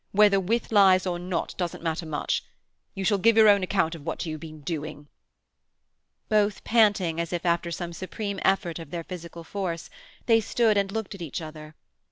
Whether with lies or not doesn't matter much. You shall give your own account of what you have been doing." Both panting as if after some supreme effort of their physical force, they stood and looked at each other.